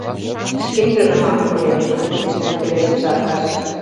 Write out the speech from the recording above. Шкенжынымак коден, — иктешлен пелештыш Аркаш.